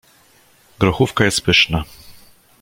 grochówka jest pyszna